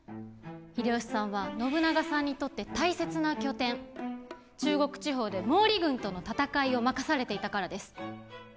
秀吉さんは信長さんにとって大切な拠点中国地方で毛利軍との戦いを任されていたからです。